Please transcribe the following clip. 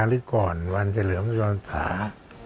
หรือก่อนวันเฉลิมพระราชชนมพันษา